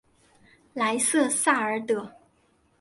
莱瑟萨尔德。